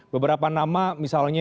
beberapa nama misalnya